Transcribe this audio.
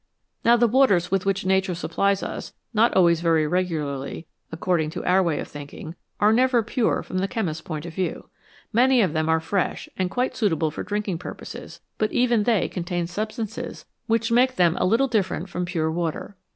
Now the waters with which Nature supplies us, not always very regularly, according to our way of thinking, are never pure from the chemist's point of view. Many of them are fresh and quite suitable for drinking purposes, but even they contain substances which make them a little 97 G NATURAL WATERS different from pure water.